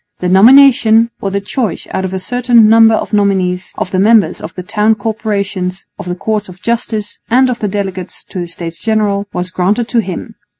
The nomination, or the choice out of a certain number of nominees, of the members of the Town Corporations, of the Courts of Justice and of the delegates to the States General, was granted to him.